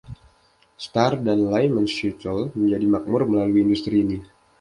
Starr, dan Lyman Shettle menjadi makmur melalui industri ini.